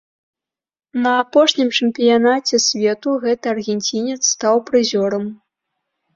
На апошнім чэмпіянаце свету гэты аргенцінец стаў прызёрам.